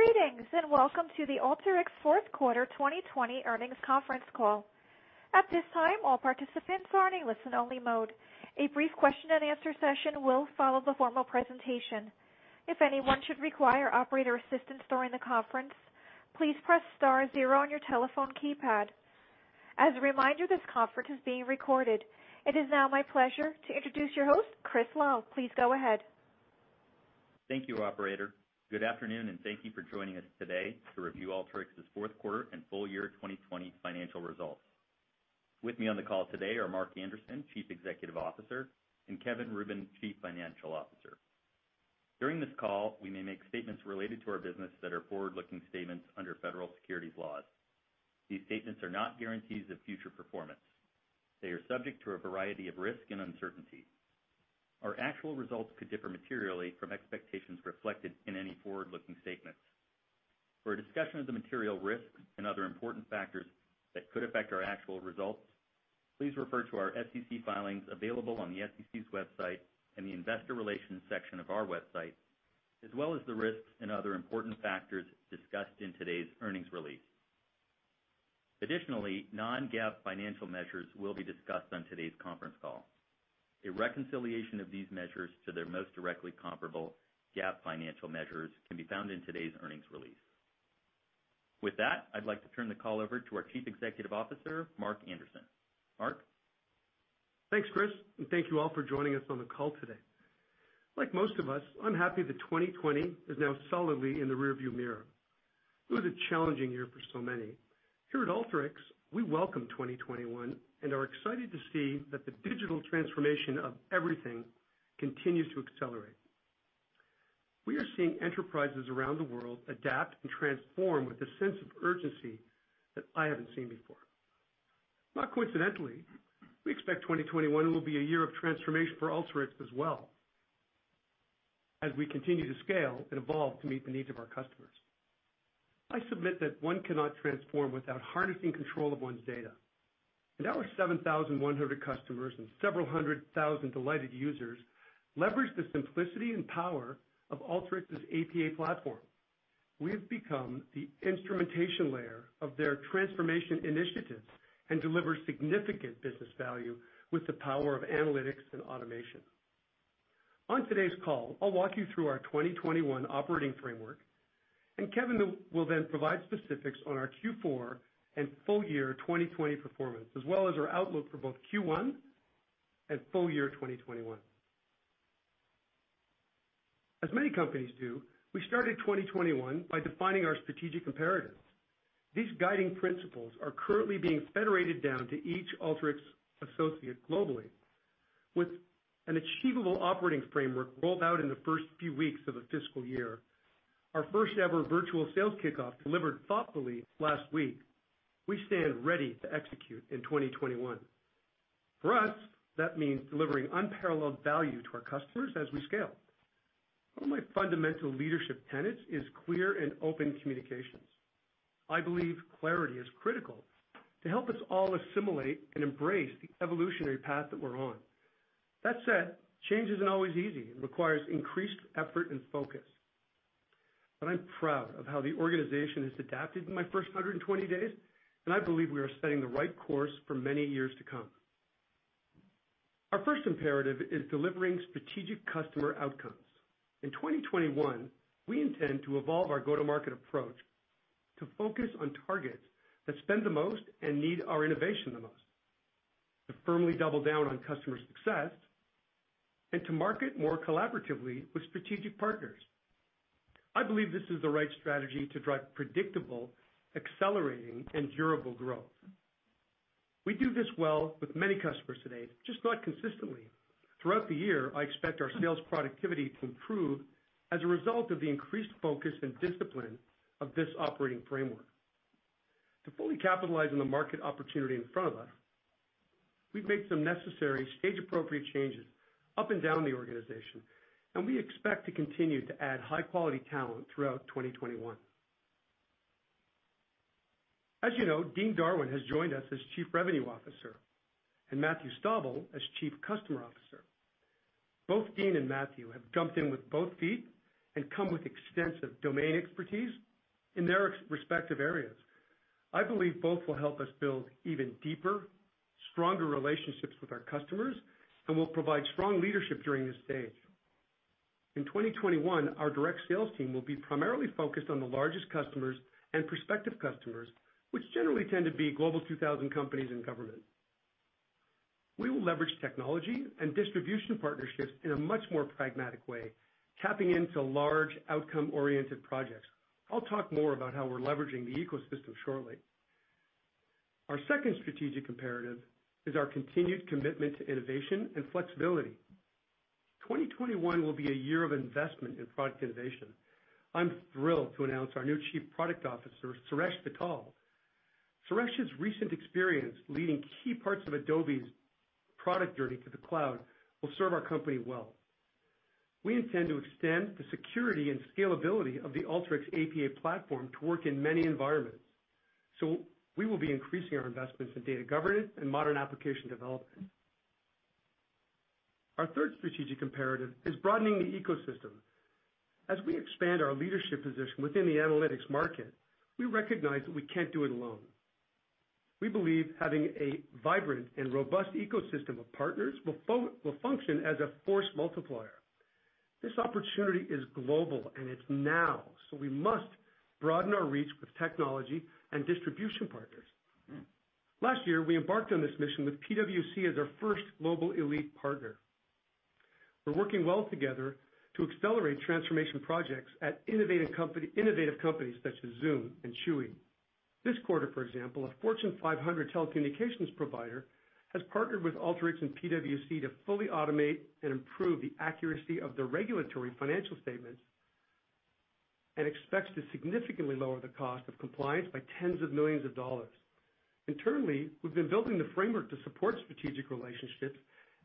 Greetings, and welcome to the Alteryx fourth quarter 2020 earnings conference call. At this time, all participants are in a listen-only mode. A brief question-and-answer session will follow the formal presentation. If anyone should require operator assistance during the conference, please press star zero on your telephone keypad. As a reminder, this conference is being recorded. It is now my pleasure to introduce your host, Chris Lal. Please go ahead. Thank you, operator. Good afternoon, and thank you for joining us today to review Alteryx's fourth quarter and full year 2020 financial results. With me on the call today are Mark Anderson, Chief Executive Officer, and Kevin Rubin, Chief Financial Officer. During this call, we may make statements related to our business that are forward-looking statements under federal securities laws. These statements are not guarantees of future performance. They are subject to a variety of risks and uncertainties. Our actual results could differ materially from expectations reflected in any forward-looking statements. For a discussion of the material risks and other important factors that could affect our actual results, please refer to our SEC filings available on the SEC's website and the investor relations section of our website, as well as the risks and other important factors discussed in today's earnings release. Additionally, non-GAAP financial measures will be discussed on today's conference call. A reconciliation of these measures to their most directly comparable GAAP financial measures can be found in today's earnings release. With that, I'd like to turn the call over to our Chief Executive Officer, Mark Anderson. Mark? Thanks, Chris. Thank you all for joining us on the call today. Like most of us, I'm happy that 2020 is now solidly in the rearview mirror. It was a challenging year for so many. Here at Alteryx, we welcome 2021 and are excited to see that the digital transformation of everything continues to accelerate. We are seeing enterprises around the world adapt and transform with a sense of urgency that I haven't seen before. Not coincidentally, we expect 2021 will be a year of transformation for Alteryx as well as we continue to scale and evolve to meet the needs of our customers. I submit that one cannot transform without harnessing control of one's data. Our 7,100 customers and several hundred thousand delighted users leverage the simplicity and power of Alteryx's APA platform. We've become the instrumentation layer of their transformation initiatives and deliver significant business value with the power of analytics and automation. On today's call, I'll walk you through our 2021 operating framework. Kevin will then provide specifics on our Q4 and full year 2020 performance, as well as our outlook for both Q1 and full year 2021. As many companies do, we started 2021 by defining our strategic imperatives. These guiding principles are currently being federated down to each Alteryx associate globally. With an achievable operating framework rolled out in the first few weeks of the fiscal year, our first ever virtual sales kickoff delivered thoughtfully last week, we stand ready to execute in 2021. For us, that means delivering unparalleled value to our customers as we scale. One of my fundamental leadership tenets is clear and open communications. I believe clarity is critical to help us all assimilate and embrace the evolutionary path that we're on. That said, change isn't always easy and requires increased effort and focus, but I'm proud of how the organization has adapted in my first 120 days, and I believe we are setting the right course for many years to come. Our first imperative is delivering strategic customer outcomes. In 2021, we intend to evolve our go-to-market approach to focus on targets that spend the most and need our innovation the most, to firmly double down on customer success, and to market more collaboratively with strategic partners. I believe this is the right strategy to drive predictable, accelerating, and durable growth. We do this well with many customers today, just not consistently. Throughout the year, I expect our sales productivity to improve as a result of the increased focus and discipline of this operating framework. To fully capitalize on the market opportunity in front of us, we've made some necessary stage-appropriate changes up and down the organization, and we expect to continue to add high-quality talent throughout 2021. As you know, Dean Darwin has joined us as Chief Revenue Officer and Matthew Stauble as Chief Customer Officer. Both Dean and Matthew have jumped in with both feet and come with extensive domain expertise in their respective areas. I believe both will help us build even deeper, stronger relationships with our customers and will provide strong leadership during this stage. In 2021, our direct sales team will be primarily focused on the largest customers and prospective customers, which generally tend to be Global 2000 companies and government. We will leverage technology and distribution partnerships in a much more pragmatic way, tapping into large outcome-oriented projects. I'll talk more about how we're leveraging the ecosystem shortly. Our second strategic imperative is our continued commitment to innovation and flexibility. 2021 will be a year of investment in product innovation. I'm thrilled to announce our new Chief Product Officer, Suresh Vittal. Suresh's recent experience leading key parts of Adobe's product journey to the cloud will serve our company well. We intend to extend the security and scalability of the Alteryx APA Platform to work in many environments. We will be increasing our investments in data governance and modern application development. Our third strategic imperative is broadening the ecosystem. As we expand our leadership position within the analytics market, we recognize that we can't do it alone. We believe having a vibrant and robust ecosystem of partners will function as a force multiplier. This opportunity is global, and it's now, so we must broaden our reach with technology and distribution partners. Last year, we embarked on this mission with PwC as our first global elite partner. We're working well together to accelerate transformation projects at innovative companies such as Zoom and Chewy. This quarter, for example, a Fortune 500 telecommunications provider has partnered with Alteryx and PwC to fully automate and improve the accuracy of their regulatory financial statements, and expects to significantly lower the cost of compliance by tens of millions of dollars. Internally, we've been building the framework to support strategic relationships,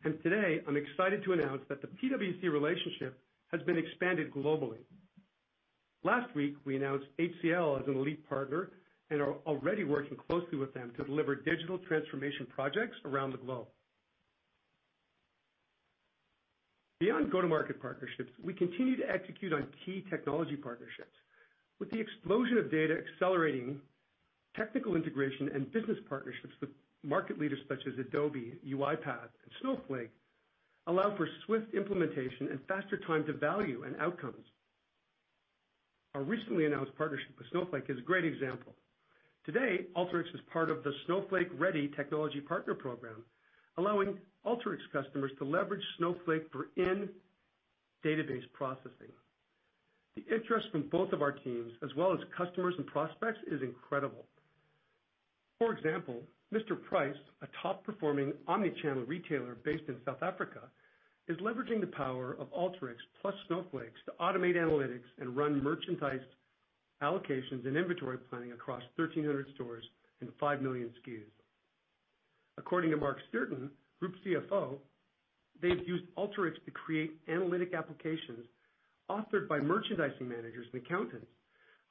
and today, I'm excited to announce that the PwC relationship has been expanded globally. Last week, we announced HCL as an elite partner and are already working closely with them to deliver digital transformation projects around the globe. Beyond go-to-market partnerships, we continue to execute on key technology partnerships. With the explosion of data accelerating technical integration and business partnerships with market leaders such as Adobe, UiPath, and Snowflake allow for swift implementation and faster time to value and outcomes. Our recently announced partnership with Snowflake is a great example. Today, Alteryx is part of the Snowflake Ready Technology Partner Program, allowing Alteryx customers to leverage Snowflake for in-database processing. The interest from both of our teams, as well as customers and prospects, is incredible. For example, Mr Price, a top-performing omni-channel retailer based in South Africa, is leveraging the power of Alteryx+ Snowflake to automate analytics and run merchandise allocations and inventory planning across 1,300 stores and 5 million SKUs. According to Mark Stirton, Group CFO, they've used Alteryx to create analytic applications authored by merchandising managers and accountants,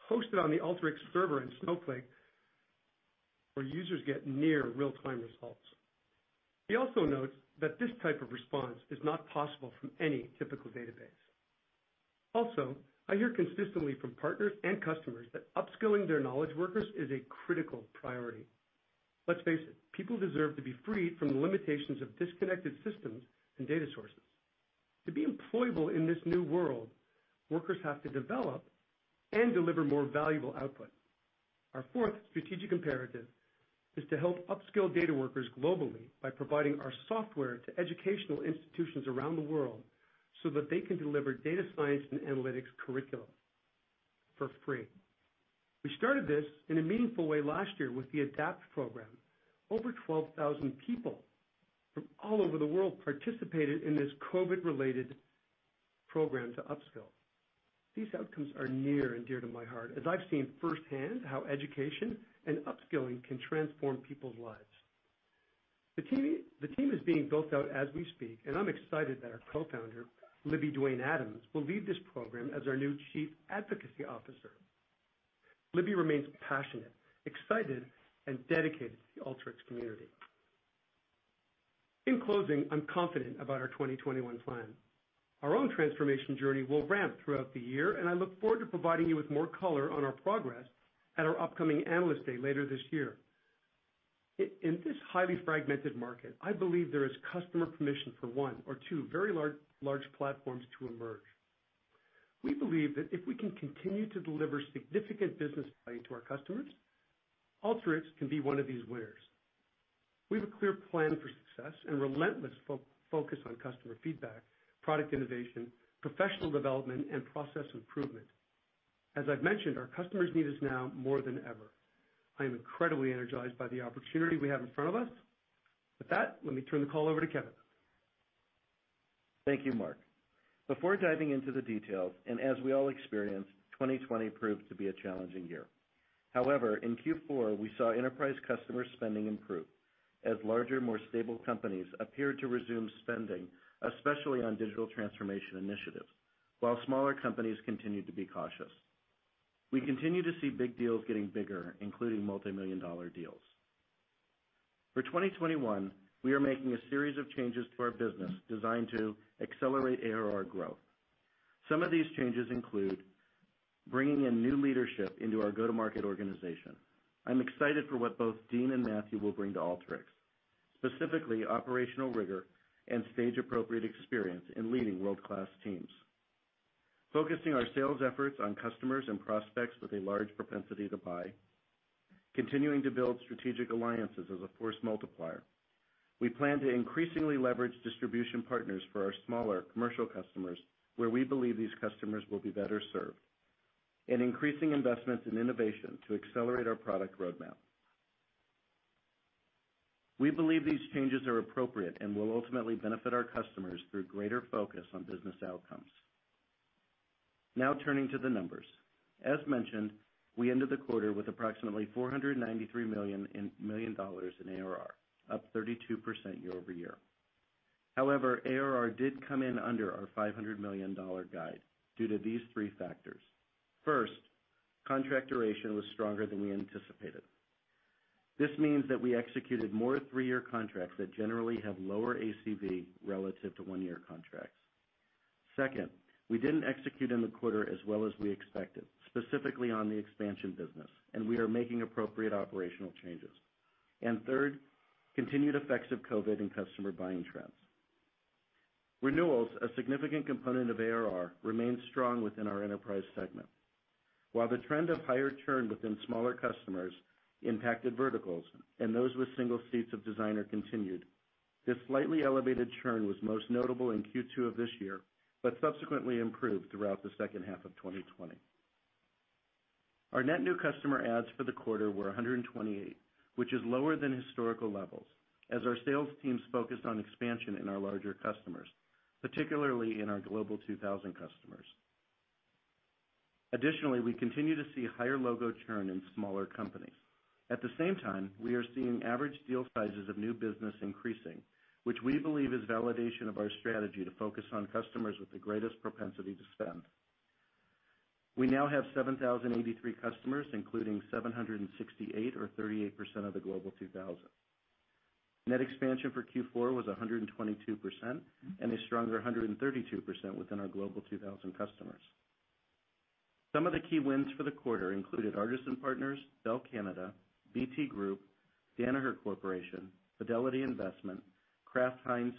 hosted on the Alteryx Server and Snowflake, where users get near real-time results. He notes that this type of response is not possible from any typical database. Also, I hear consistently from partners and customers that upskilling their knowledge workers is a critical priority. Let's face it, people deserve to be freed from the limitations of disconnected systems and data sources. To be employable in this new world, workers have to develop and deliver more valuable output. Our fourth strategic imperative is to help upskill data workers globally by providing our software to educational institutions around the world, so that they can deliver data science and analytics curriculum for free. We started this in a meaningful way last year with the ADAPT program. Over 12,000 people from all over the world participated in this COVID-related program to upskill. These outcomes are near and dear to my heart, as I've seen firsthand how education and upskilling can transform people's lives. The team is being built out as we speak, and I'm excited that our Co-Founder, Libby Duane Adams, will lead this program as our new Chief Advocacy Officer. Libby remains passionate, excited, and dedicated to the Alteryx community. In closing, I'm confident about our 2021 plan. Our own transformation journey will ramp throughout the year, and I look forward to providing you with more color on our progress at our upcoming Analyst Day later this year. In this highly fragmented market, I believe there is customer permission for one or two very large platforms to emerge. We believe that if we can continue to deliver significant business value to our customers, Alteryx can be one of these winners. We have a clear plan for success and relentless focus on customer feedback, product innovation, professional development, and process improvement. As I've mentioned, our customers need us now more than ever. I am incredibly energized by the opportunity we have in front of us. With that, let me turn the call over to Kevin. Thank you, Mark. Before diving into the details, as we all experienced, 2020 proved to be a challenging year. However, in Q4, we saw enterprise customer spending improve as larger, more stable companies appeared to resume spending, especially on digital transformation initiatives, while smaller companies continued to be cautious. We continue to see big deals getting bigger, including multimillion-dollar deals. For 2021, we are making a series of changes to our business designed to accelerate ARR growth. Some of these changes include bringing in new leadership into our go-to-market organization. I'm excited for what both Dean and Matthew will bring to Alteryx, specifically operational rigor and stage-appropriate experience in leading world-class teams. Focusing our sales efforts on customers and prospects with a large propensity to buy. Continuing to build strategic alliances as a force multiplier. We plan to increasingly leverage distribution partners for our smaller commercial customers, where we believe these customers will be better served. Increasing investments in innovation to accelerate our product roadmap. We believe these changes are appropriate and will ultimately benefit our customers through greater focus on business outcomes. Now turning to the numbers. As mentioned, we ended the quarter with approximately $493 million in ARR, up 32% year-over-year. However, ARR did come in under our $500 million guide due to these three factors. First, contract duration was stronger than we anticipated. This means that we executed more three-year contracts that generally have lower ACV relative to one-year contracts. Second, we didn't execute in the quarter as well as we expected, specifically on the expansion business, and we are making appropriate operational changes. Third, continued effects of COVID and customer buying trends. Renewals, a significant component of ARR, remain strong within our enterprise segment. While the trend of higher churn within smaller customers impacted verticals and those with single seats of Designer continued, this slightly elevated churn was most notable in Q2 of this year, but subsequently improved throughout the second half of 2020. Our net new customer adds for the quarter were 128, which is lower than historical levels, as our sales teams focused on expansion in our larger customers, particularly in our Global 2000 customers. Additionally, we continue to see higher logo churn in smaller companies. At the same time, we are seeing average deal sizes of new business increasing, which we believe is validation of our strategy to focus on customers with the greatest propensity to spend. We now have 7,083 customers, including 768 or 38% of the Global 2000. Net expansion for Q4 was 122% and a stronger 132% within our Global 2000 customers. Some of the key wins for the quarter included Artisan Partners, Dell Canada, BT Group, Danaher Corporation, Fidelity Investments, Kraft Heinz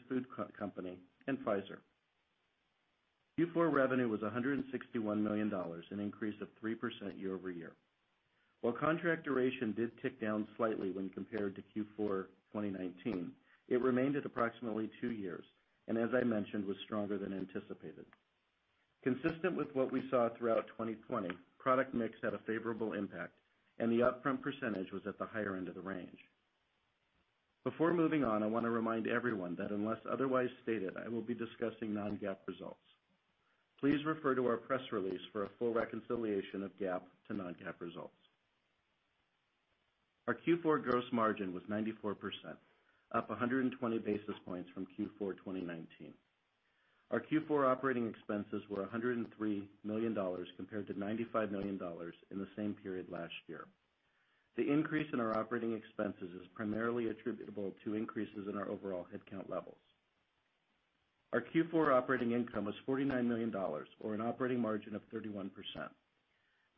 Company, and Pfizer. Q4 revenue was $161 million, an increase of 3% year-over-year. While contract duration did tick down slightly when compared to Q4 2019, it remained at approximately two years, and as I mentioned, was stronger than anticipated. Consistent with what we saw throughout 2020, product mix had a favorable impact, and the upfront percentage was at the higher end of the range. Before moving on, I want to remind everyone that unless otherwise stated, I will be discussing non-GAAP results. Please refer to our press release for a full reconciliation of GAAP to non-GAAP results. Our Q4 gross margin was 94%, up 120 basis points from Q4 2019. Our Q4 operating expenses were $103 million compared to $95 million in the same period last year. The increase in our operating expenses is primarily attributable to increases in our overall headcount levels. Our Q4 operating income was $49 million, or an operating margin of 31%.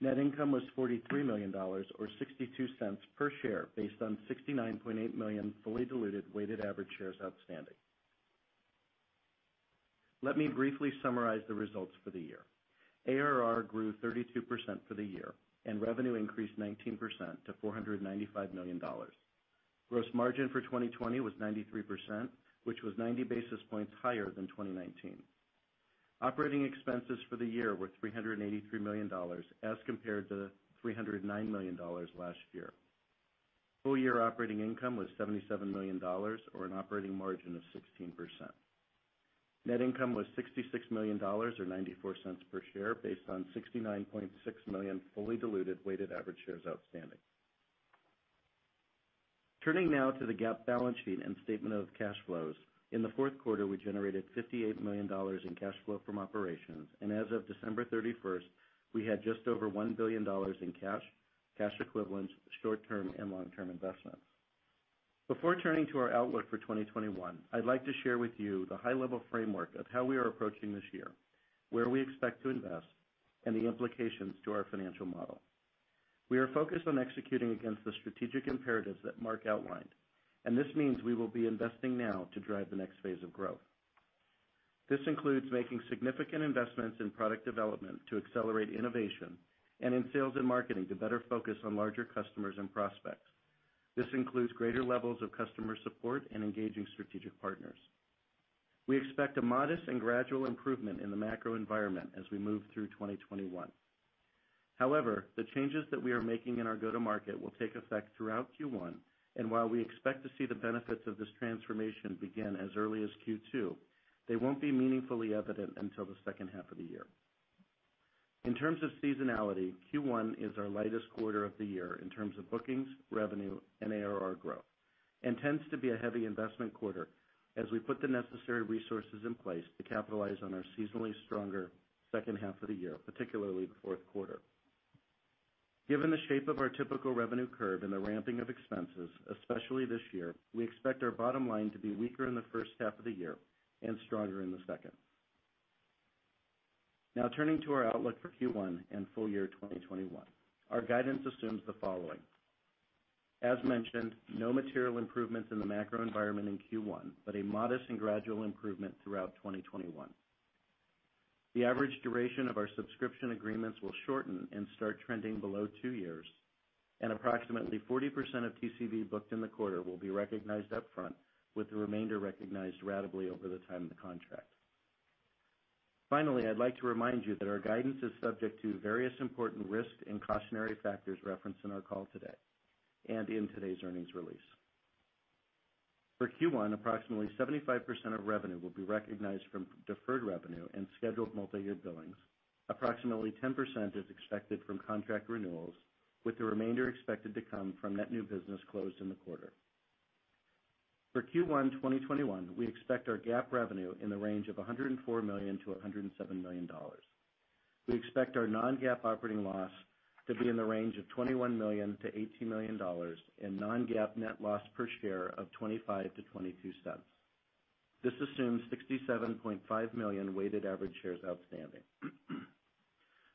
Net income was $43 million, or $0.62 per share based on 69.8 million fully diluted weighted average shares outstanding. Let me briefly summarize the results for the year. ARR grew 32% for the year, and revenue increased 19% to $495 million. Gross margin for 2020 was 93%, which was 90 basis points higher than 2019. Operating expenses for the year were $383 million as compared to $309 million last year. Full year operating income was $77 million, or an operating margin of 16%. Net income was $66 million, or $0.94 per share based on 69.6 million fully diluted weighted average shares outstanding. Turning now to the GAAP balance sheet and statement of cash flows. In the fourth quarter, we generated $58 million in cash flow from operations, and as of December 31st, we had just over $1 billion in cash equivalents, short-term and long-term investments. Before turning to our outlook for 2021, I'd like to share with you the high-level framework of how we are approaching this year, where we expect to invest, and the implications to our financial model. We are focused on executing against the strategic imperatives that Mark outlined, and this means we will be investing now to drive the next phase of growth. This includes making significant investments in product development to accelerate innovation, and in sales and marketing to better focus on larger customers and prospects. This includes greater levels of customer support and engaging strategic partners. We expect a modest and gradual improvement in the macro environment as we move through 2021. However, the changes that we are making in our go-to market will take effect throughout Q1, and while we expect to see the benefits of this transformation begin as early as Q2, they won't be meaningfully evident until the second half of the year. In terms of seasonality, Q1 is our lightest quarter of the year in terms of bookings, revenue, and ARR growth, and tends to be a heavy investment quarter as we put the necessary resources in place to capitalize on our seasonally stronger second half of the year, particularly the fourth quarter. Given the shape of our typical revenue curve and the ramping of expenses, especially this year, we expect our bottom line to be weaker in the first half of the year and stronger in the second. Now turning to our outlook for Q1 and full year 2021. Our guidance assumes the following. As mentioned, no material improvements in the macro environment in Q1, but a modest and gradual improvement throughout 2021. The average duration of our subscription agreements will shorten and start trending below two years. Approximately 40% of TCV booked in the quarter will be recognized up front, with the remainder recognized ratably over the time of the contract. Finally, I'd like to remind you that our guidance is subject to various important risks and cautionary factors referenced in our call today and in today's earnings release. For Q1, approximately 75% of revenue will be recognized from deferred revenue and scheduled multi-year billings. Approximately 10% is expected from contract renewals, with the remainder expected to come from net new business closed in the quarter. For Q1 2021, we expect our GAAP revenue in the range of $104 million-$107 million. We expect our non-GAAP operating loss to be in the range of $21 million-$18 million, and non-GAAP net loss per share of $0.25-$0.22. This assumes 67.5 million weighted average shares outstanding.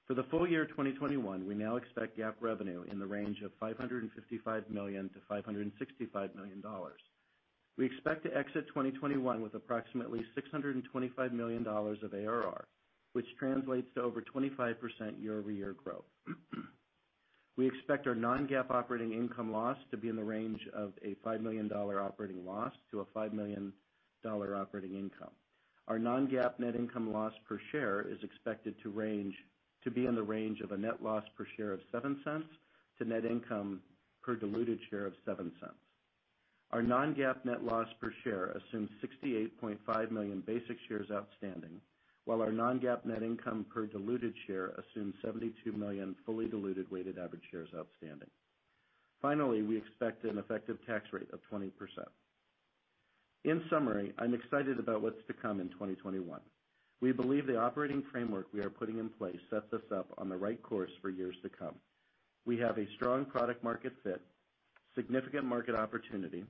For the full year 2021, we now expect GAAP revenue in the range of $555 million-$565 million. We expect to exit 2021 with approximately $625 million of ARR, which translates to over 25% year-over-year growth. We expect our non-GAAP operating income loss to be in the range of a $5 million operating loss to a $5 million operating income. Our non-GAAP net income loss per share is expected to be in the range of a net loss per share of $0.07 to net income per diluted share of $0.07. Our non-GAAP net loss per share assumes 68.5 million basic shares outstanding, while our non-GAAP net income per diluted share assumes 72 million fully diluted weighted average shares outstanding. We expect an effective tax rate of 20%. I'm excited about what's to come in 2021. We believe the operating framework we are putting in place sets us up on the right course for years to come. We have a strong product market fit, significant market opportunity,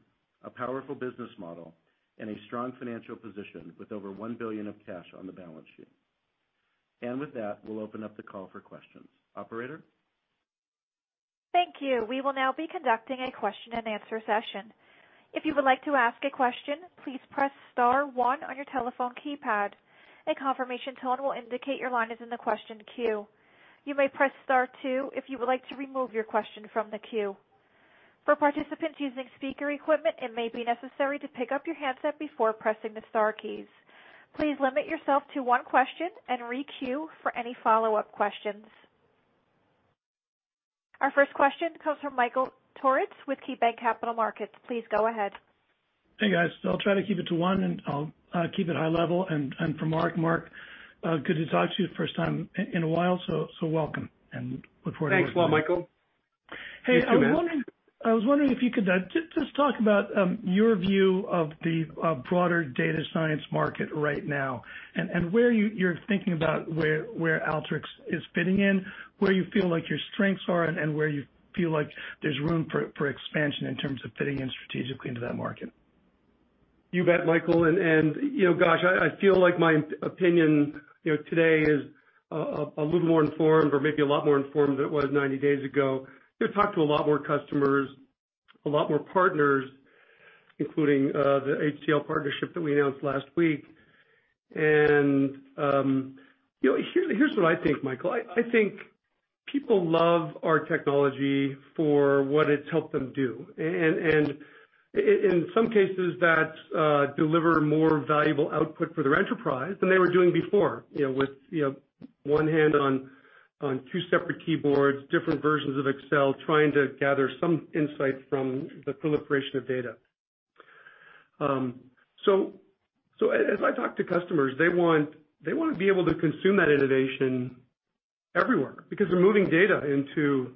a powerful business model, and a strong financial position with over $1 billion of cash on the balance sheet. With that, we'll open up the call for questions. Operator? Thank you. We will now be conducting a question-and-answer session. If you would like to ask a question, please press star one on your telephone keypad. A confirmation tone will indicate your line is in the question queue. You may press star two if you would like to remove your question from the queue. For participants using speaker equipment it may be necessary to pick up your handset before pressing the star keys. Please limit yourself to one question and re-queue for any follow-up question. Our first question comes from Michael Turits with KeyBanc Capital Markets. Please go ahead. Hey, guys. I'll try to keep it to one, and I'll keep it high level. For Mark. Mark, good to talk to you the first time in a while, welcome and look forward to working with you. Thanks a lot, Michael. Hey, I was wondering if you could just talk about your view of the broader data science market right now, and where you're thinking about where Alteryx is fitting in, where you feel like your strengths are, and where you feel like there's room for expansion in terms of fitting in strategically into that market. You bet, Michael. Gosh, I feel like my opinion today is a little more informed or maybe a lot more informed than it was 90 days ago. Talked to a lot more customers, a lot more partners, including the HCL partnership that we announced last week. Here's what I think, Michael. I think people love our technology for what it's helped them do. In some cases, that's deliver more valuable output for their enterprise than they were doing before with one hand on two separate keyboards, different versions of Excel, trying to gather some insight from the proliferation of data. As I talk to customers, they want to be able to consume that innovation everywhere because they're moving data into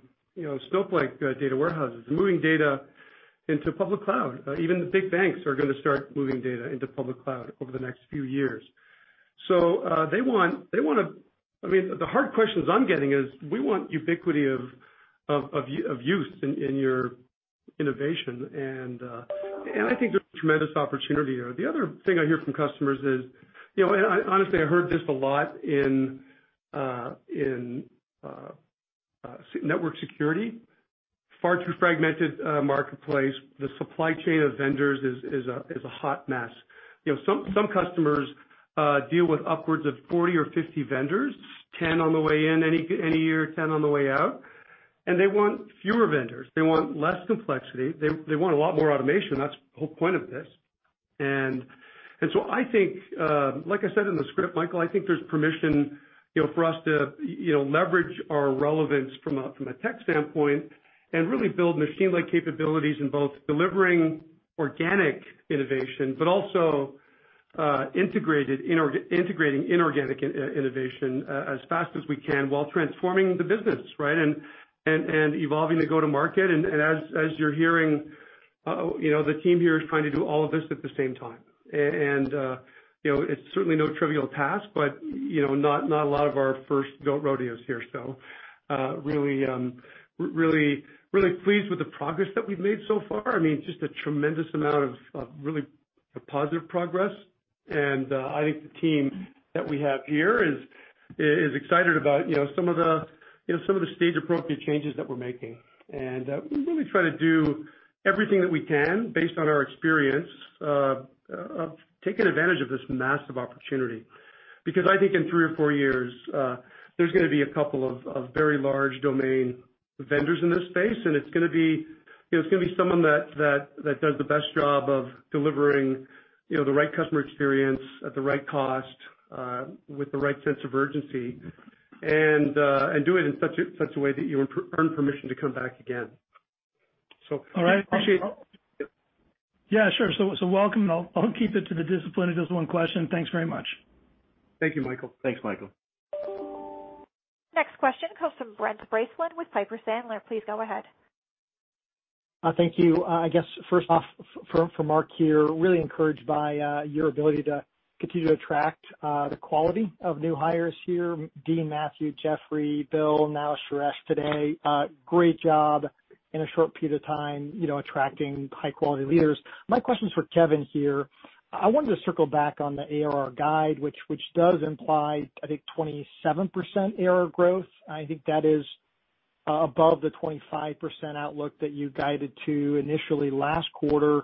Snowflake data warehouses, they're moving data into public cloud. Even the big banks are going to start moving data into public cloud over the next few years. The hard questions I'm getting is we want ubiquity of use in your innovation, and I think there's a tremendous opportunity there. The other thing I hear from customers is, and honestly, I heard this a lot in network security, far too fragmented a marketplace. The supply chain of vendors is a hot mess. Some customers deal with upwards of 40 or 50 vendors, 10 on the way in any year, 10 on the way out, and they want fewer vendors. They want less complexity. They want a lot more automation. That's the whole point of this. I think, like I said in the script, Michael, I think there's permission for us to leverage our relevance from a tech standpoint and really build machine-like capabilities in both delivering organic innovation, but also integrating inorganic innovation as fast as we can while transforming the business, right, and evolving the go-to-market. As you're hearing, the team here is trying to do all of this at the same time and it's certainly no trivial task, but not a lot of our first rodeos here. Really pleased with the progress that we've made so far. Just a tremendous amount of really positive progress, and I think the team that we have here is excited about some of the stage-appropriate changes that we're making. We really try to do everything that we can based on our experience of taking advantage of this massive opportunity. I think in three or four years, there's going to be a couple of very large domain vendors in this space, and it's going to be someone that does the best job of delivering the right customer experience at the right cost with the right sense of urgency, and do it in such a way that you earn permission to come back again. All right. Appreciate it. Yeah, sure. Welcome, and I'll keep it to the discipline of just one question. Thanks very much. Thank you, Michael. Thanks, Michael. Next question comes from Brent Bracelin with Piper Sandler. Please go ahead. Thank you. I guess first off, for Mark here, really encouraged by your ability to continue to attract the quality of new hires here, Dean, Matthew, Jeffrey, Bill, now Suresh today. Great job in a short period of time, attracting high-quality leaders. My question is for Kevin here. I wanted to circle back on the ARR guide, which does imply, I think, 27% ARR growth. I think that is above the 25% outlook that you guided to initially last quarter.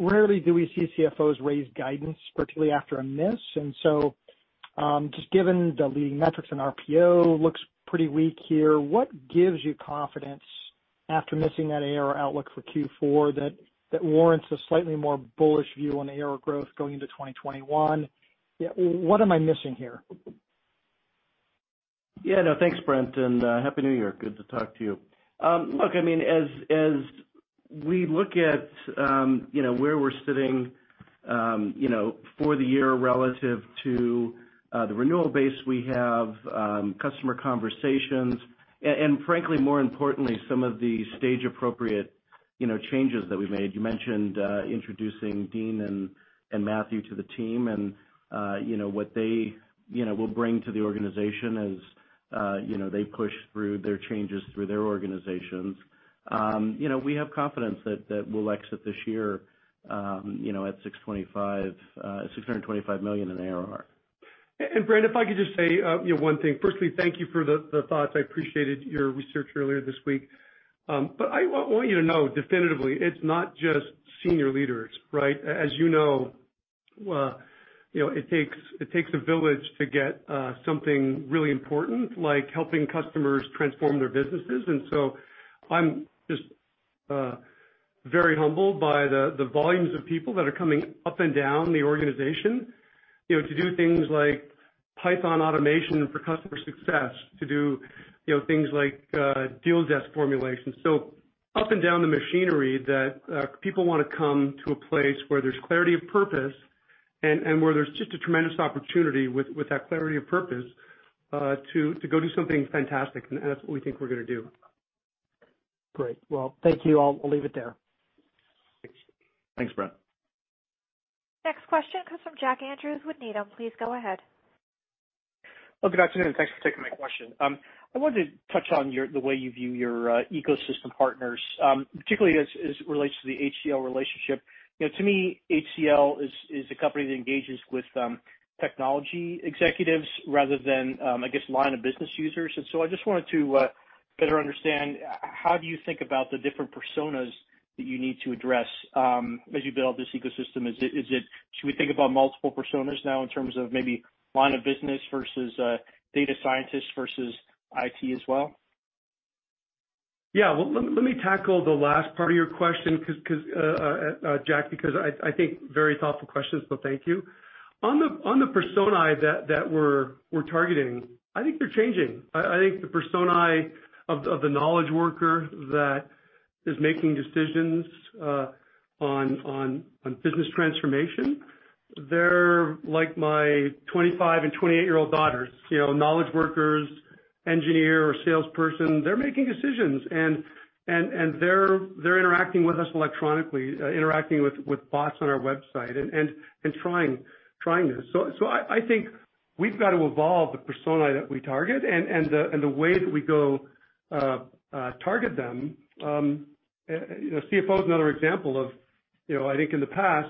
Rarely do we see CFOs raise guidance, particularly after a miss. Just given the leading metrics in RPO looks pretty weak here, what gives you confidence after missing that ARR outlook for Q4 that warrants a slightly more bullish view on ARR growth going into 2021? What am I missing here? No, thanks, Brent, and happy New Year. Good to talk to you. Look, as we look at where we're sitting for the year relative to the renewal base we have, customer conversations, and frankly, more importantly, some of the stage-appropriate changes that we made. You mentioned introducing Dean and Matthew to the team and what they will bring to the organization as they push through their changes through their organizations. We have confidence that we'll exit this year at $625 million in ARR. Brent, if I could just say one thing. Firstly, thank you for the thoughts. I appreciated your research earlier this week. I want you to know definitively, it's not just senior leaders, right? As you know, it takes a village to get something really important, like helping customers transform their businesses. I'm just very humbled by the volumes of people that are coming up and down the organization to do things like Python automation for customer success, to do things like deal desk formulation. Up and down the machinery that people want to come to a place where there's clarity of purpose and where there's just a tremendous opportunity with that clarity of purpose, to go do something fantastic and that's what we think we're going to do. Great. Well, thank you. I'll leave it there. Thanks. Thanks, Brent. Next question comes from Jack Andrews with Needham. Please go ahead. Well, good afternoon. Thanks for taking my question. I wanted to touch on the way you view your ecosystem partners, particularly as it relates to the HCL relationship. To me, HCL is a company that engages with technology executives rather than, I guess, line of business users. I just wanted to better understand how do you think about the different personas that you need to address as you build this ecosystem? Should we think about multiple personas now in terms of maybe line of business versus data scientists versus IT as well? Well, let me tackle the last part of your question, Jack, because I think very thoughtful questions, so thank you. On the personae that we're targeting, I think they're changing. I think the personae of the knowledge worker that is making decisions on business transformation, they're like my 25 and 28-year-old daughters. Knowledge workers, engineer or salesperson, they're making decisions, and they're interacting with us electronically, interacting with bots on our website and trying this. I think we've got to evolve the personae that we target and the way that we go target them. CFO is another example of, I think in the past,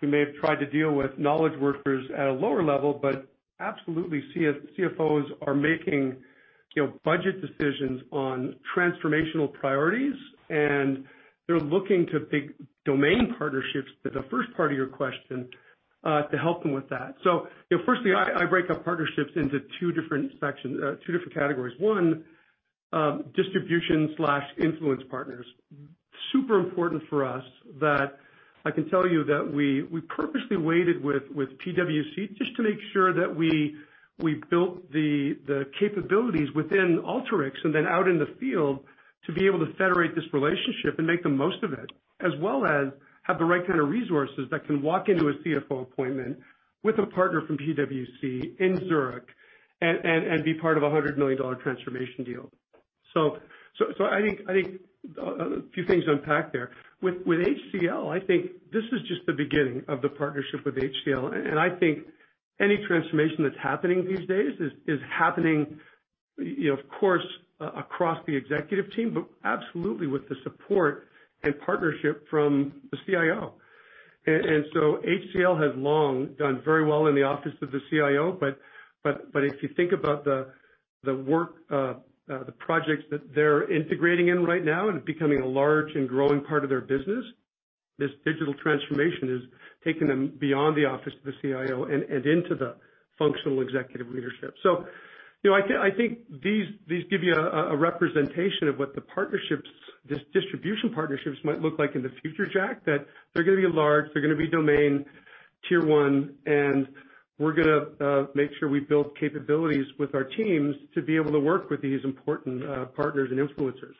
we may have tried to deal with knowledge workers at a lower level, but absolutely CFOs are making budget decisions on transformational priorities, and they're looking to big domain partnerships, to the first part of your question, to help them with that. Firstly, I break up partnerships into two different sections, two different categories. One, distribution/influence partners. Super important for us that I can tell you that we purposely waited with PwC just to make sure that we built the capabilities within Alteryx and then out in the field to be able to federate this relationship and make the most of it, as well as have the right kind of resources that can walk into a CFO appointment with a partner from PwC in Zurich and be part of a $100 million transformation deal. I think a few things to unpack there. With HCL, I think this is just the beginning of the partnership with HCL, and I think any transformation that's happening these days is happening, of course, across the executive team, but absolutely with the support and partnership from the CIO. HCL has long done very well in the office of the CIO, but if you think about the work, the projects that they're integrating in right now and becoming a large and growing part of their business, this digital transformation is taking them beyond the office of the CIO and into the functional executive leadership. I think these give you a representation of what the partnerships, this distribution partnerships might look like in the future, Jack, that they're going to be large, they're going to be domain Tier 1, and we're going to make sure we build capabilities with our teams to be able to work with these important partners and influencers.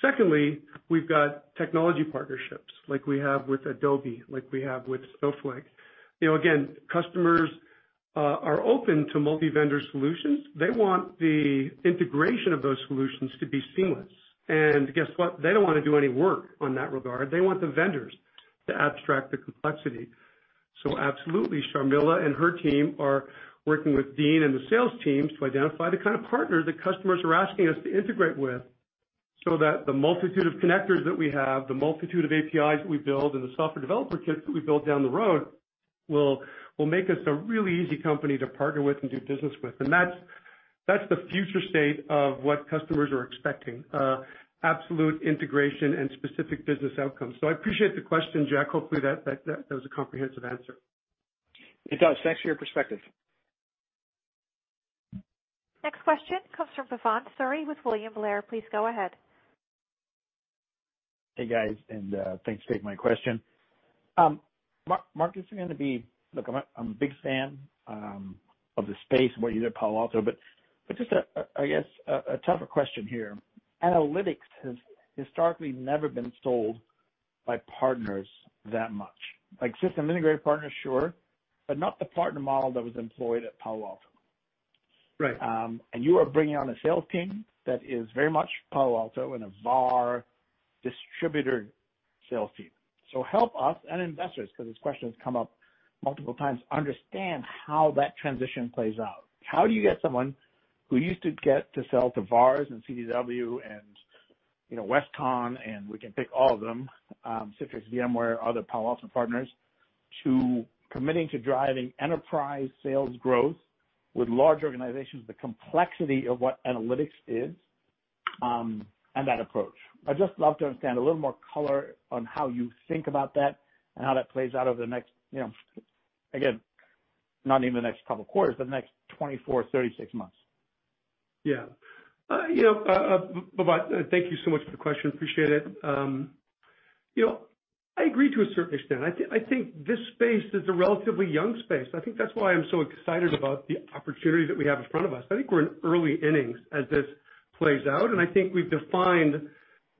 Secondly, we've got technology partnerships like we have with Adobe, like we have with Snowflake. Again, customers are open to multi-vendor solutions. They want the integration of those solutions to be seamless. Guess what? They don't want to do any work on that regard. They want the vendors to abstract the complexity. Absolutely, Sharmila and her team are working with Dean and the sales teams to identify the kind of partners that customers are asking us to integrate with so that the multitude of connectors that we have, the multitude of APIs we build, and the software developer kits that we build down the road will make us a really easy company to partner with and do business with. That's the future state of what customers are expecting, absolute integration and specific business outcomes. I appreciate the question, Jack. Hopefully that was a comprehensive answer. It does. Thanks for your perspective. Next question comes from Bhavan Suri with William Blair. Please go ahead. Hey, guys, and thanks for taking my question. Mark. Look, I'm a big fan of the space when you were at Palo Alto, but just, I guess, a tougher question here. Analytics has historically never been sold by partners that much. Like system integrator partners, sure. Not the partner model that was employed at Palo Alto. Right. You are bringing on a sales team that is very much Palo Alto and a VAR distributor sales team. Help us and investors, because this question's come up multiple times, understand how that transition plays out. How do you get someone who used to get to sell to VARs and CDW and Westcon, and we can pick all of them, Citrix, VMware, other Palo Alto partners, to committing to driving enterprise sales growth with large organizations, the complexity of what analytics is, and that approach. I'd just love to understand a little more color on how you think about that and how that plays out over the next, again, not even the next couple of quarters, but the next 24, 36 months. Bhavan, thank you so much for the question. Appreciate it. I agree to a certain extent. I think this space is a relatively young space. I think that's why I'm so excited about the opportunity that we have in front of us. I think we're in early innings as this plays out, and I think we've defined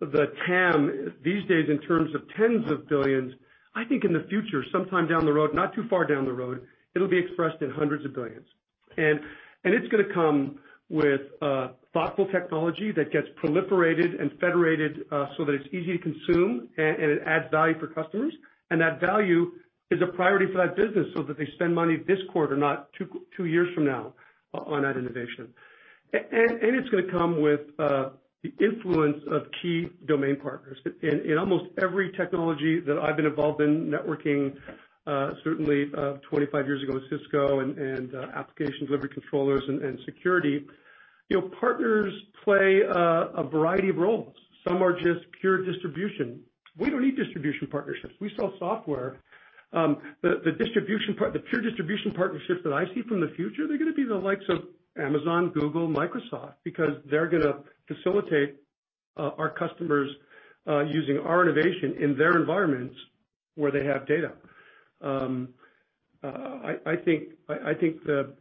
the TAM these days in terms of tens of billions. I think in the future, sometime down the road, not too far down the road, it'll be expressed in hundreds of billions. It's going to come with thoughtful technology that gets proliferated and federated so that it's easy to consume and it adds value for customers and that value is a priority for that business so that they spend money this quarter, not two years from now on that innovation and it's going to come with the influence of key domain partners. In almost every technology that I've been involved in, networking, certainly, 25 years ago with Cisco and application delivery controllers and security, partners play a variety of roles. Some are just pure distribution. We don't need distribution partnerships. We sell software. The pure distribution partnerships that I see from the future, they're going to be the likes of Amazon, Google, Microsoft, because they're going to facilitate our customers using our innovation in their environments where they have data. I think the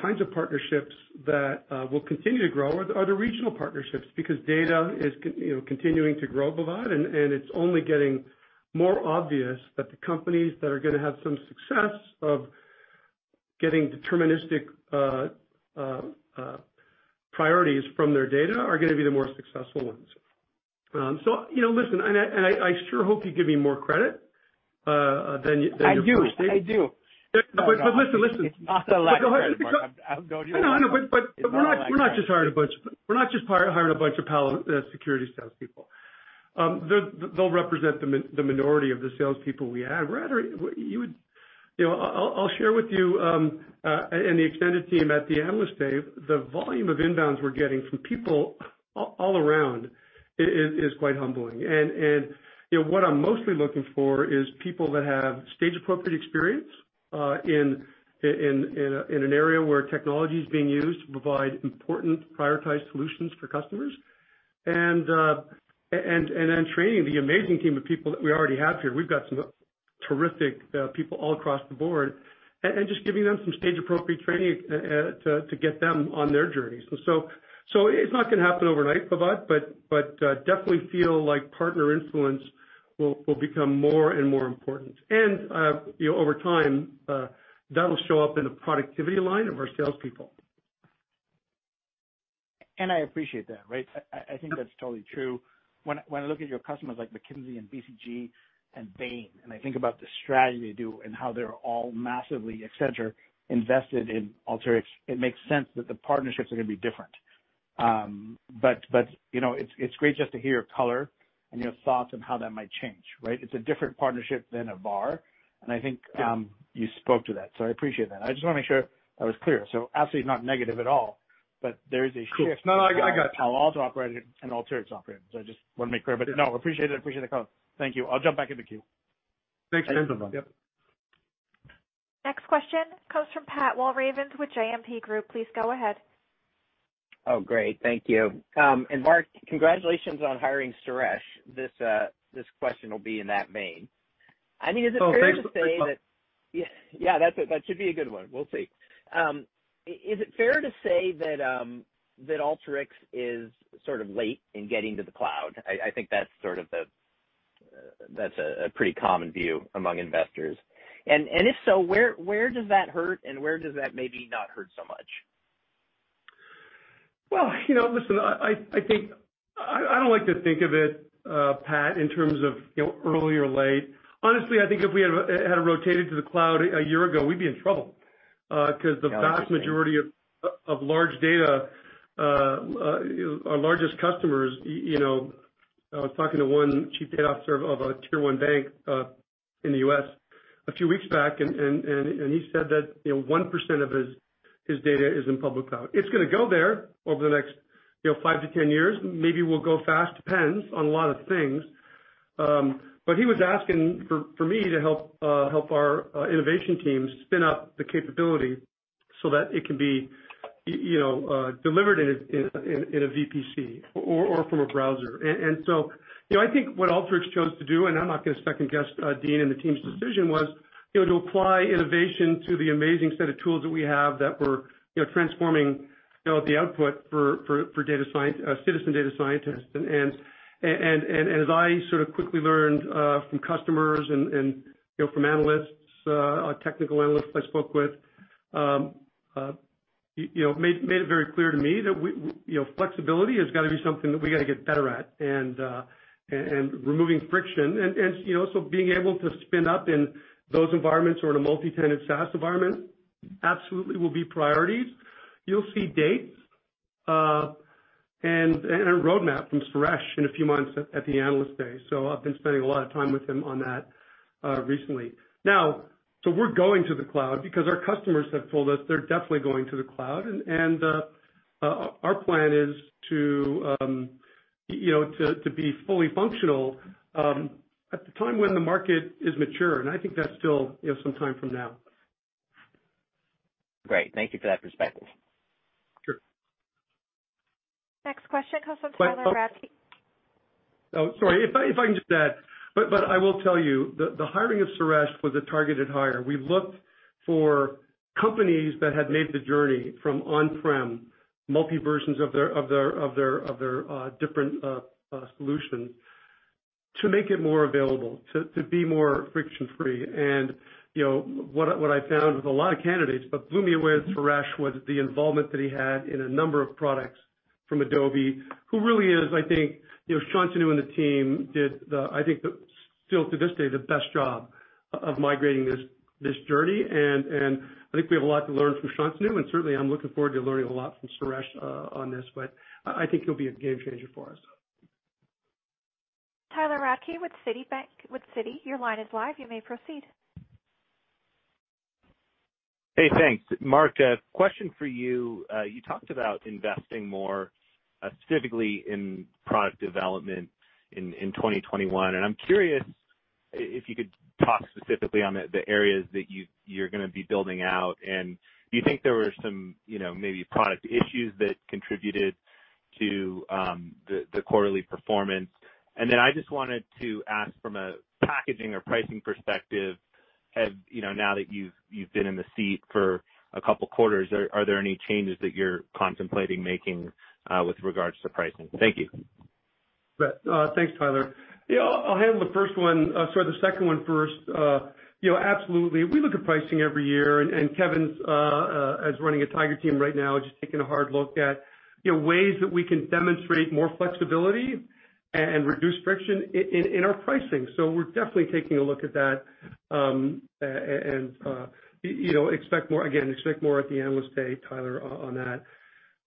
kinds of partnerships that will continue to grow are the regional partnerships, because data is continuing to grow, Bhavan, and it's only getting more obvious that the companies that are going to have some success of getting deterministic priorities from their data are going to be the more successful ones. Listen, and I sure hope you give me more credit than your first statement. I do. Listen. It's not a lack of credit, Mark. No, we're not just hiring a bunch of Palo Alto Networks salespeople. They'll represent the minority of the salespeople we have. I'll share with you and the extended team at the Analyst Day, the volume of inbounds we're getting from people all around is quite humbling. What I'm mostly looking for is people that have stage-appropriate experience in an area where technology is being used to provide important prioritized solutions for customers, and then training the amazing team of people that we already have here, we've got some terrific people all across the Board, and just giving them some stage-appropriate training to get them on their journey. It's not going to happen overnight, Bhavan, but definitely feel like partner influence will become more and more important. Over time, that'll show up in the productivity line of our salespeople. I appreciate that, right? I think that's totally true. When I look at your customers like McKinsey and BCG and Bain, and I think about the strategy they do and how they're all massively, etc., invested in Alteryx, it makes sense that the partnerships are going to be different. It's great just to hear your color and your thoughts on how that might change, right? It's a different partnership than a VAR, and I think- Yeah. ...you spoke to that, I appreciate that. I just want to make sure I was clear. Absolutely not negative at all, but there is a shift- Cool. No, I got you. ...how Palo Alto operated and Alteryx operated, so I just want to make clear. No, appreciate it. Appreciate the color. Thank you. I'll jump back in the queue. Thanks. Thanks, Bhavan. Yep. Next question comes from Pat Walravens with JMP Group. Please go ahead. Oh, great. Thank you. Mark, congratulations on hiring Suresh. This question will be in that vein. I mean, is it fair to say that- Thanks. ...yeah, that should be a good one. We'll see. Is it fair to say that Alteryx is sort of late in getting to the cloud? I think that's a pretty common view among investors. If so, where does that hurt and where does that maybe not hurt so much? Well, listen, I don't like to think of it, Pat, in terms of early or late. Honestly, I think if we had rotated to the cloud a year ago, we'd be in trouble. The vast majority of large data, our largest customers. I was talking to one chief data officer of a Tier 1 bank in the U.S. a few weeks back, and he said that 1% of his data is in public cloud. It's going to go there over the next 5-10 years. Maybe we'll go fast, depends on a lot of things. He was asking for me to help our innovation team spin up the capability so that it can be delivered in a VPC or from a browser. I think what Alteryx chose to do, and I'm not going to second guess Dean and the team's decision, was to apply innovation to the amazing set of tools that we have that were transforming the output for citizen data scientists. As I sort of quickly learned from customers and from analysts, our technical analysts I spoke with, made it very clear to me that flexibility has got to be something that we've got to get better at. Removing friction and also being able to spin up in those environments or in a multi-tenant SaaS environment absolutely will be priorities. You'll see dates and a roadmap from Suresh in a few months at the Analyst Day. I've been spending a lot of time with him on that recently. So we're going to the cloud because our customers have told us they're definitely going to the cloud. Our plan is to be fully functional at the time when the market is mature. I think that's still some time from now. Great. Thank you for that perspective. Sure. Next question comes from Tyler Radke. Oh, sorry. If I can just add, I will tell you, the hiring of Suresh was a targeted hire. We looked for companies that had made the journey from on-prem, multi versions of their different solutions to make it more available, to be more friction-free. What I found with a lot of candidates, but blew me away with Suresh, was the involvement that he had in a number of products from Adobe, who really is, I think, Shantanu and the team did, I think still to this day, the best job of migrating this journey. I think we have a lot to learn from Shantanu, and certainly I'm looking forward to learning a lot from Suresh on this. I think he'll be a game changer for us. Tyler Radke with Citi. Hey, thanks. Mark, question for you. You talked about investing more specifically in product development in 2021, and I'm curious if you could talk specifically on the areas that you're going to be building out. Do you think there were some maybe product issues that contributed to the quarterly performance? I just wanted to ask from a packaging or pricing perspective, now that you've been in the seat for a couple quarters, are there any changes that you're contemplating making with regards to pricing? Thank you. Thanks, Tyler. I'll handle the second one first. Absolutely. We look at pricing every year. Kevin is running a tiger team right now, just taking a hard look at ways that we can demonstrate more flexibility and reduce friction in our pricing. We're definitely taking a look at that. Again, expect more at the Analyst Day, Tyler, on that.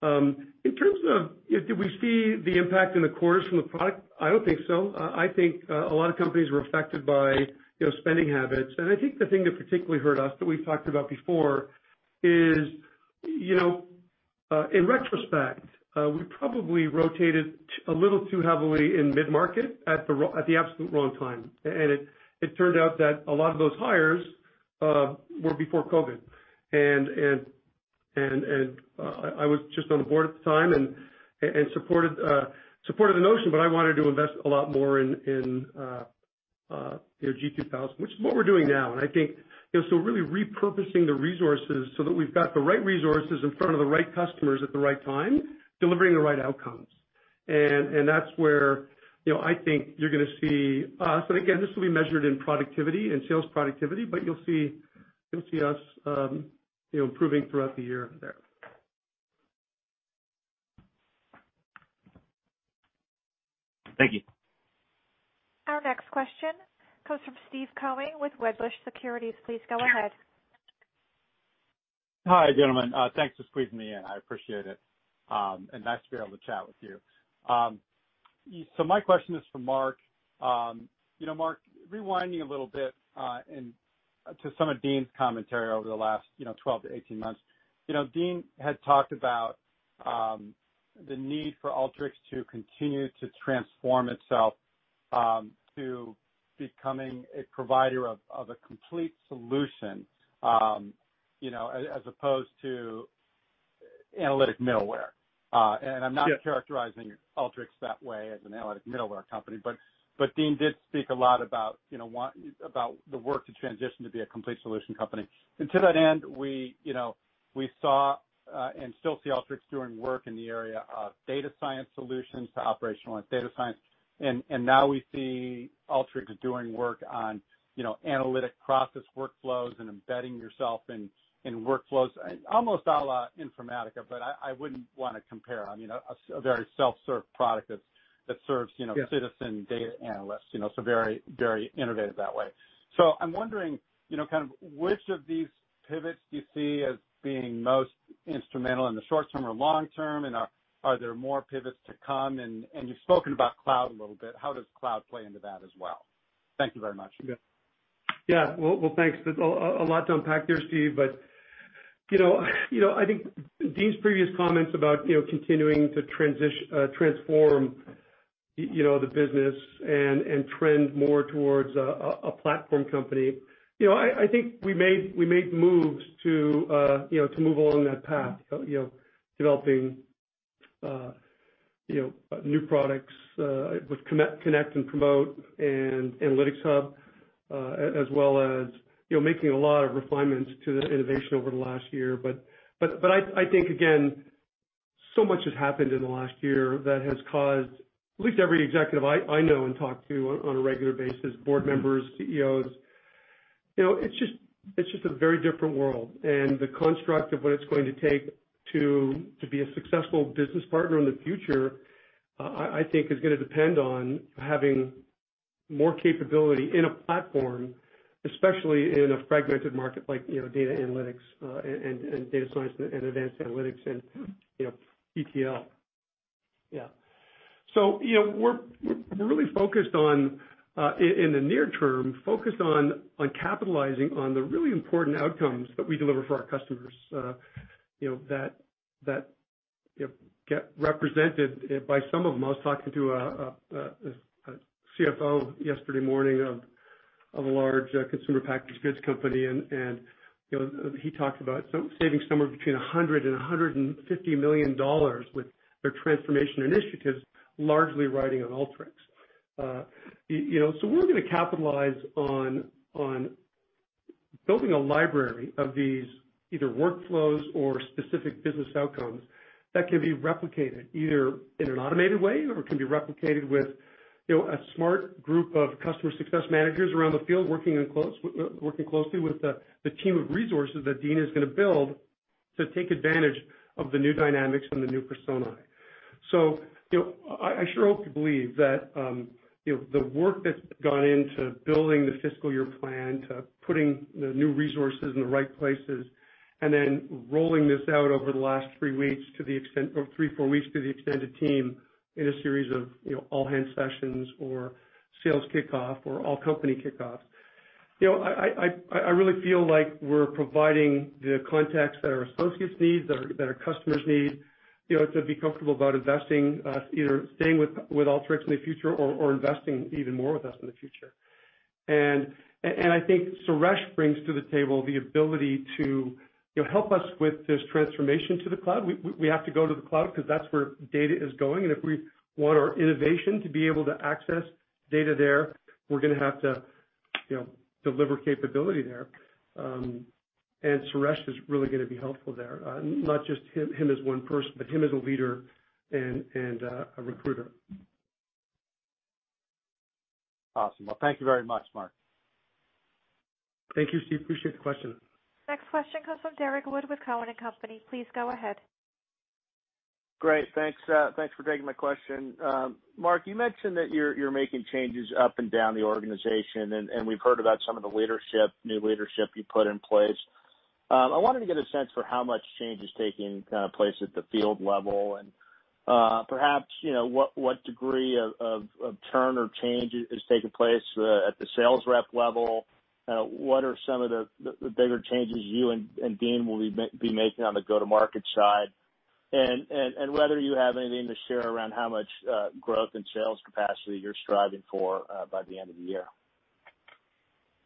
In terms of did we see the impact in the quarters from the product, I don't think so. I think a lot of companies were affected by spending habits. I think the thing that particularly hurt us that we've talked about before is, in retrospect, we probably rotated a little too heavily in mid-market at the absolute wrong time. It turned out that a lot of those hires were before COVID. I was just on the Board at the time and supported the notion, but I wanted to invest a lot more in G2000, which is what we're doing now. I think, so really repurposing the resources so that we've got the right resources in front of the right customers at the right time, delivering the right outcomes. That's where I think you're going to see us. Again, this will be measured in productivity and sales productivity, but you'll see us improving throughout the year there. Thank you. Our next question goes from Steve Koenig with Wedbush Securities. Please go ahead. Hi, gentlemen. Thanks for squeezing me in. I appreciate it. Nice to be able to chat with you. My question is for Mark. Mark, rewinding a little bit to some of Dean's commentary over the last 12-18 months. Dean had talked about the need for Alteryx to continue to transform itself to becoming a provider of a complete solution as opposed to analytic middleware. I'm not characterizing Alteryx that way as an analytic middleware company, but Dean did speak a lot about the work to transition to be a complete solution company. To that end, we saw and still see Alteryx doing work in the area of data science solutions to operationalize data science, and now we see Alteryx doing work on analytic process workflows and embedding yourself in workflows, almost a la Informatica, but I wouldn't want to compare. A very self-serve product that serves citizen data analysts, so very innovative that way. I'm wondering, which of these pivots do you see as being most instrumental in the short term or long term, and are there more pivots to come? You've spoken about cloud a little bit, how does cloud play into that as well? Thank you very much. Yeah. Well, thanks. There's a lot to unpack there, Steve. I think Dean's previous comments about continuing to transform the business and trend more towards a platform company. I think we made moves to move along that path, developing new products with Connect and Promote and Analytics Hub, as well as making a lot of refinements to the innovation over the last year. I think, again, so much has happened in the last year that has caused at least every executive I know and talk to on a regular basis, Board members, CEOs, it's just a very different world. The construct of what it's going to take to be a successful business partner in the future, I think is going to depend on having more capability in a platform, especially in a fragmented market like data analytics and data science and advanced analytics and ETL We're really focused on, in the near term, focused on capitalizing on the really important outcomes that we deliver for our customers that get represented by some of them. I was talking to a CFO yesterday morning of a large consumer packaged goods company, and he talked about saving somewhere between $100 million and $150 million with their transformation initiatives, largely riding on Alteryx. We're going to capitalize on building a library of these either workflows or specific business outcomes that can be replicated either in an automated way or can be replicated with a smart group of customer success managers around the field, working closely with the team of resources that Dean is going to build to take advantage of the new dynamics and the new persona. I sure hope you believe that the work that's gone into building the fiscal year plan, to putting the new resources in the right places, and then rolling this out over the last three, four weeks to the extended team in a series of all-hands sessions or sales kickoff or all-company kickoffs. I really feel like we're providing the context that our associates need, that our customers need, to be comfortable about investing, either staying with Alteryx in the future or investing even more with us in the future. I think Suresh brings to the table the ability to help us with this transformation to the cloud. We have to go to the cloud because that's where data is going, and if we want our innovation to be able to access data there, we're going to have to deliver capability there. Suresh is really going to be helpful there. Not just him as one person, but him as a leader and a recruiter. Awesome. Well, thank you very much, Mark. Thank you, Steve. Appreciate the question. Next question comes from Derrick Wood with Cowen and Company. Please go ahead. Great. Thanks for taking my question. Mark, you mentioned that you're making changes up and down the organization, and we've heard about some of the new leadership you put in place. I wanted to get a sense for how much change is taking place at the field level and perhaps, what degree of turn or change is taking place at the sales rep level. What are some of the bigger changes you and Dean will be making on the go-to-market side? Whether you have anything to share around how much growth and sales capacity you're striving for by the end of the year.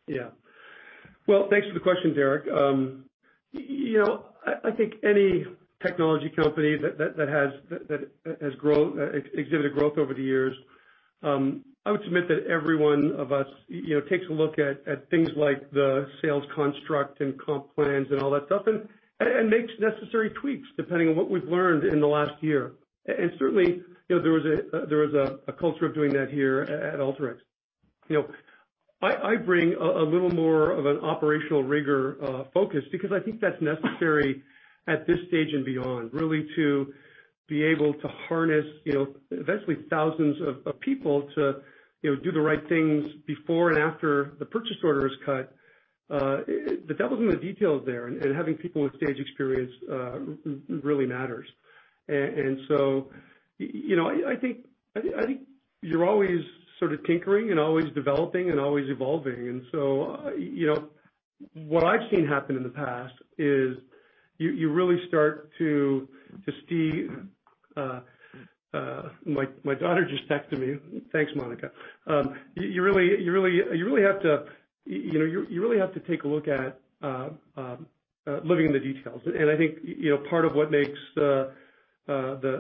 Yeah. Well, thanks for the question, Derrick. I think any technology company that has exhibited growth over the years, I would submit that every one of us takes a look at things like the sales construct and comp plans and all that stuff, and makes necessary tweaks depending on what we've learned in the last year. Certainly, there is a culture of doing that here at Alteryx. I bring a little more of an operational rigor focus because I think that's necessary at this stage and beyond, really to be able to harness eventually thousands of people to do the right things before and after the purchase order is cut. The devil's in the details there, and having people with stage experience really matters and so I think you're always sort of tinkering and always developing and always evolving. What I've seen happen in the past is you really start to see. My daughter just texted me. Thanks, Monica. You really have to take a look at living in the details. I think part of what makes the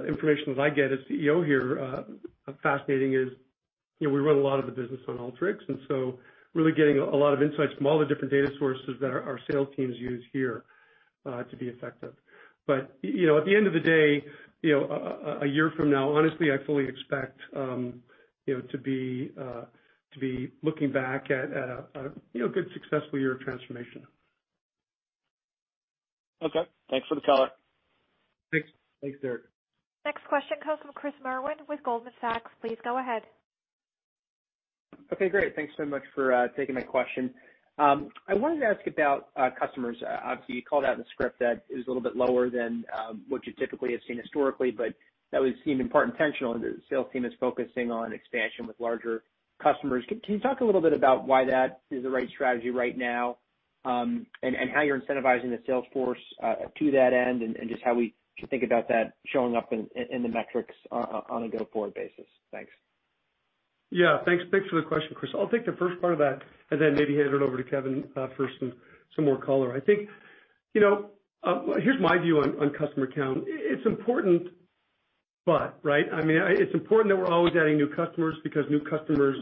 information that I get as CEO here fascinating is we run a lot of the business on Alteryx, and so really getting a lot of insights from all the different data sources that our sales teams use here to be effective. At the end of the day, a year from now, honestly, I fully expect to be looking back at a good successful year of transformation. Okay. Thanks for the color. Thanks, Derrick. Next question comes from Chris Merwin with Goldman Sachs. Please go ahead. Okay, great. Thanks so much for taking my question. I wanted to ask about customers. Obviously, you called out in the script that is a little bit lower than what you typically have seen historically, but that would seem in part intentional, and the sales team is focusing on expansion with larger customers. Can you talk a little bit about why that is the right strategy right now and how you're incentivizing the sales force to that end, and just how we should think about that showing up in the metrics on a go-forward basis. Thanks. Yeah, thanks for the question, Chris. I'll take the first part of that and then maybe hand it over to Kevin for some more color. Here's my view on customer count. It's important, but it's important that we're always adding new customers because new customers,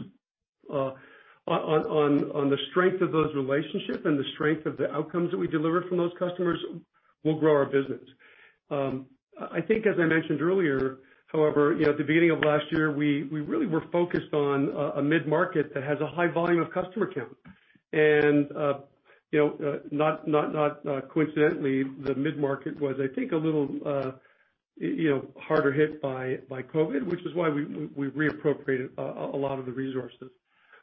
on the strength of those relationships and the strength of the outcomes that we deliver from those customers, will grow our business. I think as I mentioned earlier, however, at the beginning of last year, we really were focused on a mid-market that has a high volume of customer count. Not coincidentally, the mid-market was, I think, a little harder hit by COVID, which is why we reappropriated a lot of the resources.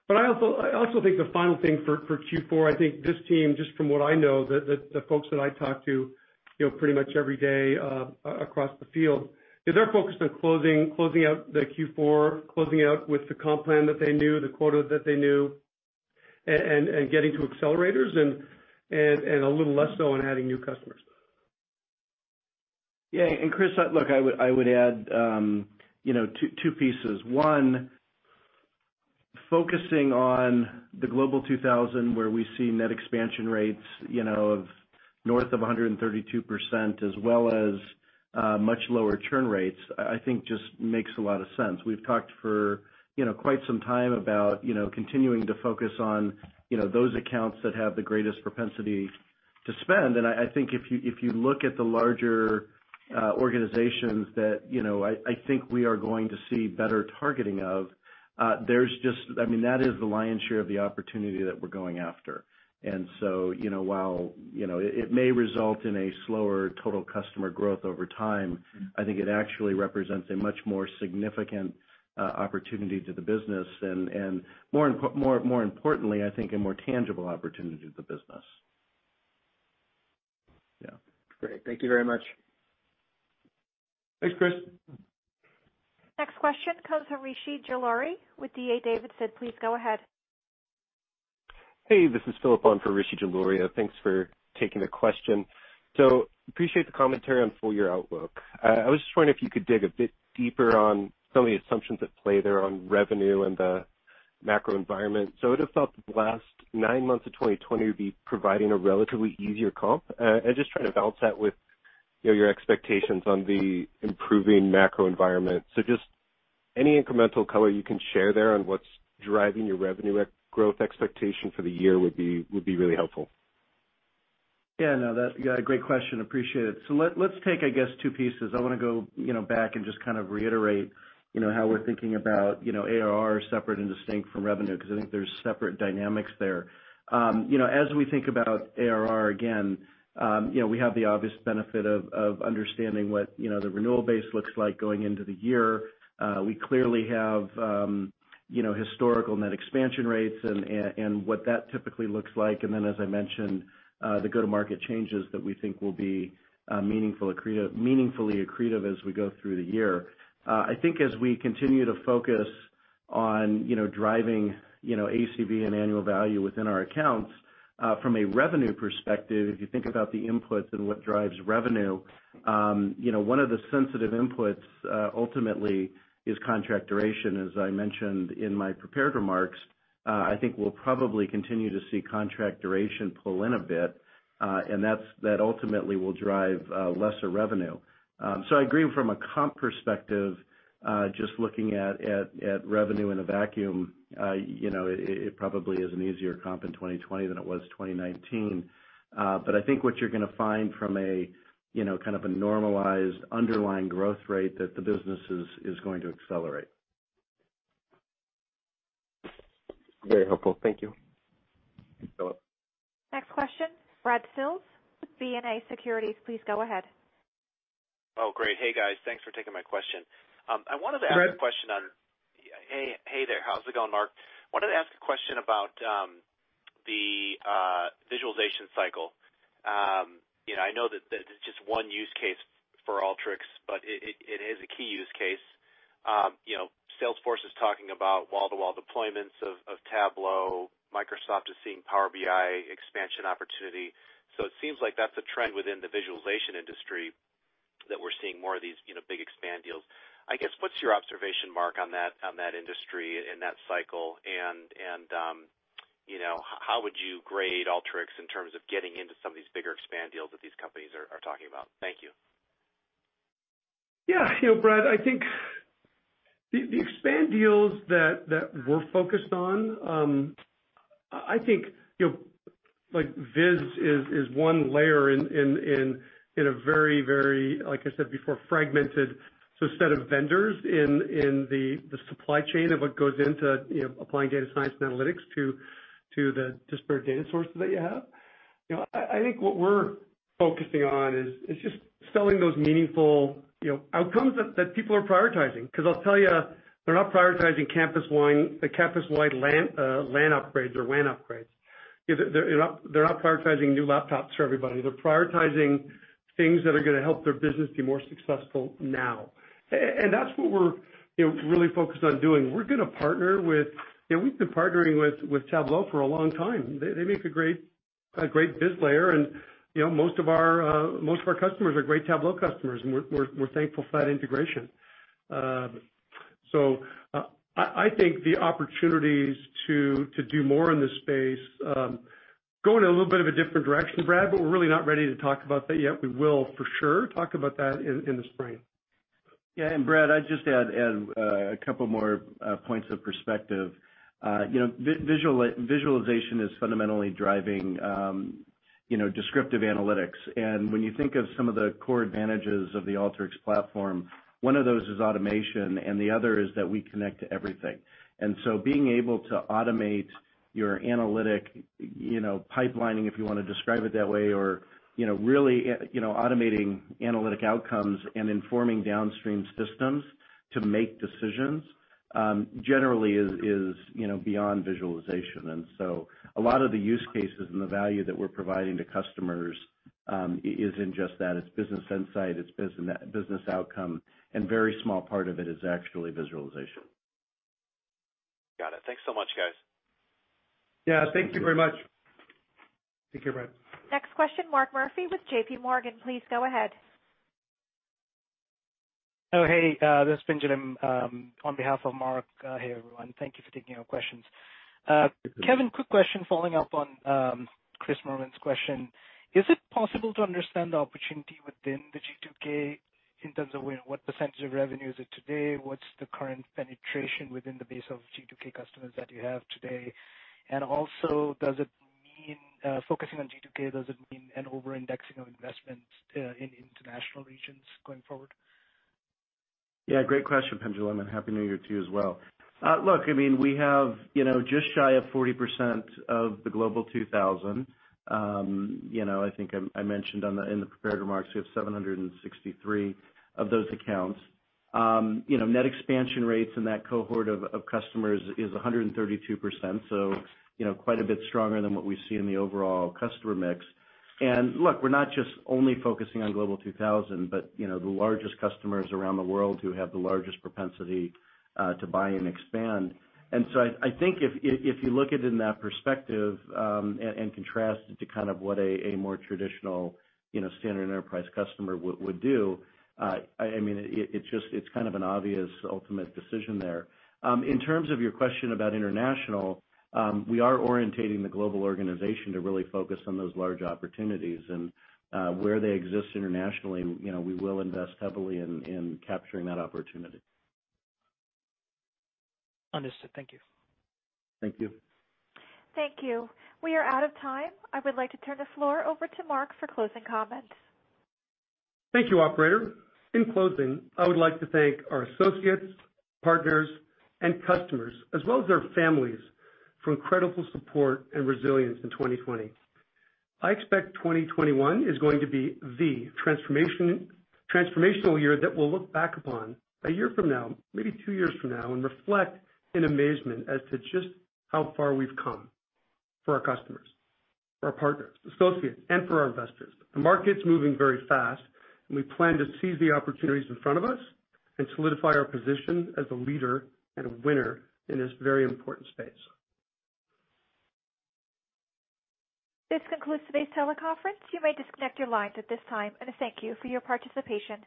I also think the final thing for Q4, I think this team, just from what I know, the folks that I talk to pretty much every day across the field, is they're focused on closing out the Q4, closing out with the comp plan that they knew, the quota that they knew, and getting to accelerators and a little less so on adding new customers. Yeah. Chris, look, I would add two pieces. One, focusing on the Global 2000, where we see net expansion rates of north of 132%, as well as much lower churn rates, I think just makes a lot of sense. We've talked for quite some time about continuing to focus on those accounts that have the greatest propensity to spend. I think if you look at the larger organizations that I think we are going to see better targeting of, that is the lion's share of the opportunity that we're going after. While it may result in a slower total customer growth over time, I think it actually represents a much more significant opportunity to the business. More importantly, I think a more tangible opportunity to the business. Yeah. Great. Thank you very much. Thanks, Chris. Next question comes from Rishi Jaluria with D.A. Davidson. Please go ahead. Hey, this is Philip on for Rishi Jaluria. Thanks for taking the question. Appreciate the commentary on full-year outlook. I was just wondering if you could dig a bit deeper on some of the assumptions at play there on revenue and the macro environment. It would have felt the last nine months of 2020 would be providing a relatively easier comp. Just trying to balance that with your expectations on the improving macro environment. Just any incremental color you can share there on what's driving your revenue growth expectation for the year would be really helpful. Yeah, no, great question. Appreciate it. Let's take, I guess, two pieces. I want to go back and just kind of reiterate how we're thinking about ARR separate and distinct from revenue, because I think there's separate dynamics there. As we think about ARR again, we have the obvious benefit of understanding what the renewal base looks like going into the year. We clearly have historical net expansion rates and what that typically looks like. Then as I mentioned, the go-to-market changes that we think will be meaningfully accretive as we go through the year. I think as we continue to focus on driving ACV and annual value within our accounts, from a revenue perspective, if you think about the inputs and what drives revenue, one of the sensitive inputs ultimately is contract duration. As I mentioned in my prepared remarks, I think we'll probably continue to see contract duration pull in a bit, and that ultimately will drive lesser revenue. I agree from a comp perspective, just looking at revenue in a vacuum, it probably is an easier comp in 2020 than it was 2019. I think what you're going to find from a kind of a normalized underlying growth rate that the business is going to accelerate. Very helpful. Thank you. Thanks, Philip. Next question, Brad Sills with BofA Securities. Please go ahead. Oh, great. Hey, guys. Thanks for taking my question. I wanted to ask a question on- Brad. Hey there. How's it going, Mark? I wanted to ask a question about the visualization cycle. I know that it's just one use case for Alteryx, but it is a key use case. Salesforce is talking about wall-to-wall deployments of Tableau. Microsoft is seeing Power BI expansion opportunity. It seems like that's a trend within the visualization industry, that we're seeing more of these big expand deals. I guess, what's your observation, Mark, on that industry and that cycle and how would you grade Alteryx in terms of getting into some of these bigger expand deals that these companies are talking about? Thank you. Brad, I think the expand deals that we're focused on, I think viz is one layer in a very, like I said before, fragmented set of vendors in the supply chain of what goes into applying data science and analytics to the disparate data sources that you have. I think what we're focusing on is just selling those meaningful outcomes that people are prioritizing because I'll tell you, they're not prioritizing campus-wide LAN upgrades or WAN upgrades. They're not prioritizing new laptops for everybody. They're prioritizing things that are going to help their business be more successful now. That's what we're really focused on doing. We've been partnering with Tableau for a long time. They make a great viz layer, and most of our customers are great Tableau customers, and we're thankful for that integration. I think the opportunities to do more in this space, going in a little bit of a different direction, Brad, but we're really not ready to talk about that yet. We will, for sure, talk about that in the spring. Yeah. Brad, I'd just add a couple more points of perspective. Visualization is fundamentally driving descriptive analytics. When you think of some of the core advantages of the Alteryx platform, one of those is automation, and the other is that we connect to everything. Being able to automate your analytic pipelining, if you want to describe it that way, or really automating analytic outcomes and informing downstream systems to make decisions, generally is beyond visualization. A lot of the use cases and the value that we're providing to customers isn't just that. It's business insight, it's business outcome, and very small part of it is actually visualization. Got it. Thanks so much, guys. Yeah. Thank you very much. Take care, Brad. Next question, Mark Murphy with JPMorgan. Please go ahead. Hey. This is Pinjalim on behalf of Mark. Hey, everyone. Thank you for taking our questions. Okay. Kevin, quick question following up on Chris Merwin's question. Is it possible to understand the opportunity within the G2K in terms of what percentage of revenue is it today, what's the current penetration within the base of G2K customers that you have today? Also, focusing on G2K, does it mean an over-indexing of investments in international regions going forward? Yeah, great question, Pinjalim, and Happy New Year to you as well. Look, we have just shy of 40% of the Global 2000. I think I mentioned in the prepared remarks, we have 763 of those accounts. Net expansion rates in that cohort of customers is 132%, so quite a bit stronger than what we see in the overall customer mix. Look, we're not just only focusing on Global 2000, but the largest customers around the world who have the largest propensity to buy and expand. I think if you look at it in that perspective, and contrast it to kind of what a more traditional standard enterprise customer would do, it's kind of an obvious ultimate decision there. In terms of your question about international, we are orientating the global organization to really focus on those large opportunities, and where they exist internationally, we will invest heavily in capturing that opportunity. Understood. Thank you. Thank you. Thank you. We are out of time. I would like to turn the floor over to Mark for closing comments. Thank you, operator. In closing, I would like to thank our associates, partners, and customers, as well as their families, for incredible support and resilience in 2020. I expect 2021 is going to be the transformational year that we'll look back upon one year from now, maybe two years from now, and reflect in amazement as to just how far we've come for our customers, for our partners, associates, and for our investors. The market's moving very fast and we plan to seize the opportunities in front of us and solidify our position as a leader and a winner in this very important space. This concludes today's teleconference. You may disconnect your lines at this time, and thank you for your participation.